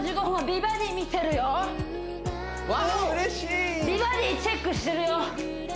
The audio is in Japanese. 美バディチェックしてるよ